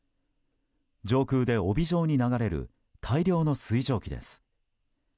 上空で帯状に流れる大量の水蒸気です。